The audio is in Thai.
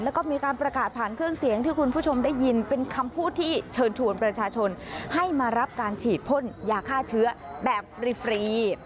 แล้วก็มีการประกาศผ่านเครื่องเสียงที่คุณผู้ชมได้ยินเป็นคำพูดที่เชิญชวนประชาชนให้มารับการฉีดพ่นยาฆ่าเชื้อแบบฟรี